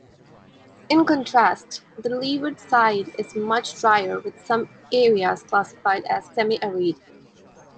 In contrast, the leeward side is much drier with some areas classified as semi-arid.